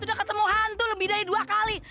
sudah ketemu hantu lebih dari dua kali